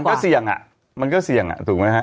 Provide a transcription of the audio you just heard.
แต่มันก็เสี่ยงมันก็เสี่ยงถูกมั้ยฮะ